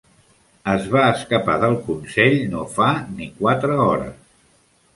Es va escapar del Consell no fa ni quatre hores.